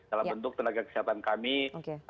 dalam bentuk tenaga kesehatan kami